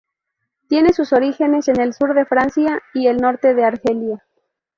Tiene sus orígenes en el sur de Francia y el norte de Argelia.